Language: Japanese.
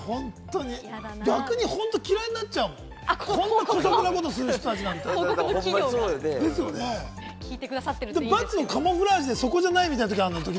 逆に本当にきらいになっちゃうもん、こんなことする人たちなんて、×のカムフラージュでそこじゃないときある。